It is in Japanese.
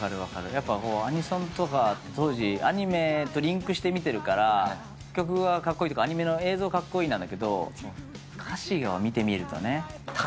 アニソンとか当時アニメとリンクして見てるから曲がカッコイイとかアニメの映像カッコイイなんだけど歌詞を見てみるとね。